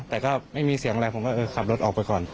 แต่ก็ไม่มีเสียงอะไรผมก็ขับรถออกไปก่อน